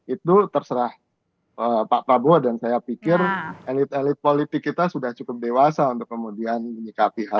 itu terserah pak prabowo dan saya pikir elit elit politik kita sudah cukup dewasa untuk kemudian menyikapi hal